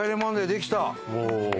できた。